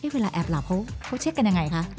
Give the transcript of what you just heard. เวลาแอบหลับเขาเช็คกันยังไงคะ